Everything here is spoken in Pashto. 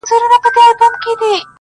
د پاچا لمن لاسونو كي روان وه٫